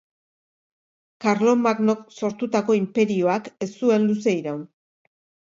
Karlomagnok sortutako inperioak ez zuen luze iraun.